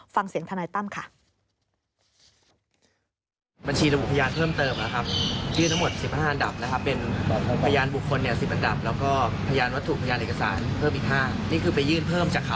ฟังเสียงทานายตั้มค่ะ